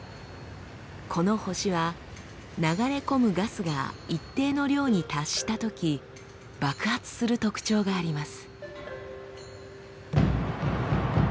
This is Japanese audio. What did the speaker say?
この星は流れ込むガスが一定の量に達したとき爆発する特徴があります。